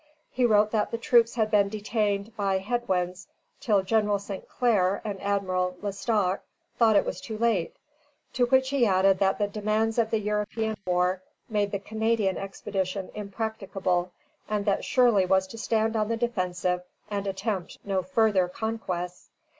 He wrote that the troops had been detained by head winds till General Saint Clair and Admiral Lestock thought it too late; to which he added that the demands of the European war made the Canadian expedition impracticable, and that Shirley was to stand on the defensive and attempt no further conquests.